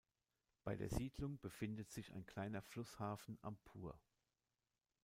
Bei der Siedlung befindet sich ein kleiner Flusshafen am Pur.